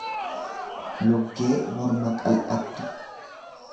luggee morma qal'attu.